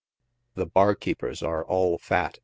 The bar keepers are all fat.